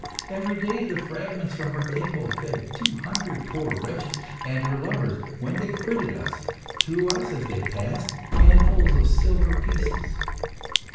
Every day the fragments from her table fed two hundred poor wretches, and her lovers, when they quitted her, threw us as they passed handfuls of silver pieces."